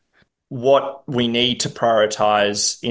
apa yang kita perlu memprioritasi